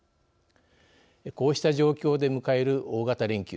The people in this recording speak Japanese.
こうした状況で迎える大型連休。